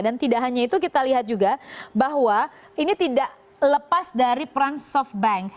dan tidak hanya itu kita lihat juga bahwa ini tidak lepas dari peran softbank